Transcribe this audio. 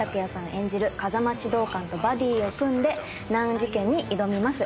演じる風間指導官とバディーを組んで難事件に挑みます。